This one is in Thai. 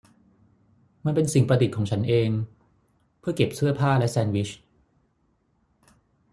มันเป็นสิ่งประดิษฐ์ของฉันเอง เพื่อเก็บเสื้อผ้าและแซนด์วิช